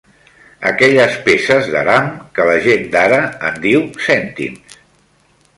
Aquelles peces d'aram que la gent d'ara en diu cèntims.